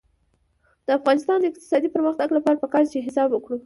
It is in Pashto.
د افغانستان د اقتصادي پرمختګ لپاره پکار ده چې حساب وکړو.